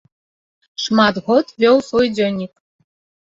Шмат год вёў свой дзённік.